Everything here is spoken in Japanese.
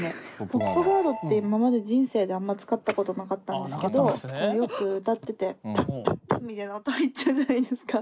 ポップガードって今まで人生であんま使ったことなかったんですけどよく歌っててポッポッポッみたいな音入っちゃうじゃないですか。